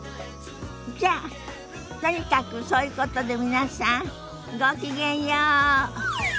じゃあとにかくそういうことで皆さんごきげんよう。